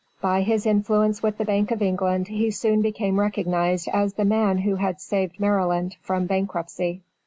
By his influence with the Bank of England, he soon became recognized as the man who had saved Maryland from bankruptcy.